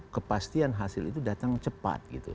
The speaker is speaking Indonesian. kepastian hasil itu datang cepat gitu